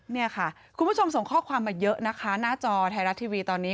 นี่ค่ะคุณผู้ชมส่งข้อความมาเยอะนะคะหน้าจอไทยรัฐทีวีตอนนี้